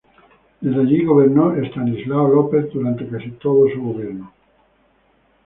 Desde allí gobernó Estanislao López durante casi todo su gobierno.